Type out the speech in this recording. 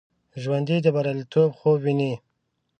ژوندي د بریالیتوب خوب ویني